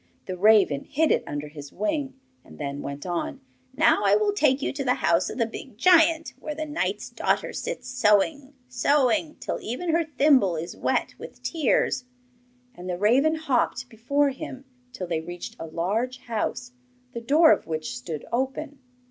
The raven hid it under his wing, and then went on; 'Now I will take you to the house of the big giant, where the knight's daughter sits sewing, sewing, till even her thimble is wet with tears.' And the raven hopped before him till they reached a large house, the door of which stood open.